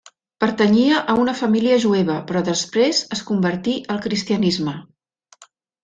Pertanyia a una família jueva, però després es convertí al cristianisme.